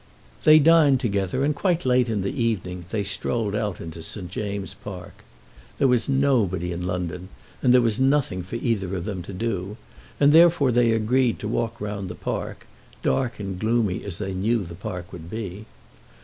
They dined together, and quite late in the evening they strolled out into St. James's Park. There was nobody in London, and there was nothing for either of them to do, and therefore they agreed to walk round the park, dark and gloomy as they knew the park would be.